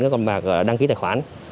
các con bạc đăng ký tài khoản